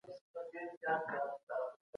حکومت نظامي تمرینات نه ترسره کوي.